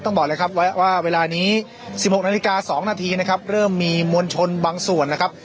บอกเลยครับว่าเวลานี้๑๖นาฬิกา๒นาทีนะครับเริ่มมีมวลชนบางส่วนนะครับ